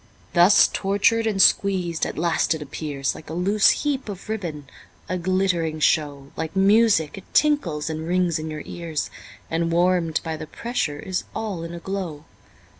Thus tortured and squeezed, at last it appears Like a loose heap of ribbon, a glittering show, Like music it tinkles and rings in your ears, And warm'd by the pressure is all in a glow.